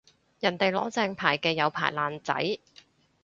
人哋攞正牌嘅有牌爛仔